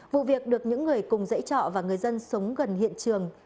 vụ việc được những người cùng dãy trọ và người dân sống gần hiện trường